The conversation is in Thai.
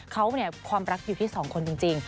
เขาความรักอยู่ที่๒คนจริง